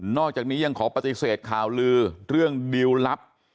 อกจากนี้ยังขอปฏิเสธข่าวลือเรื่องดิวลลับ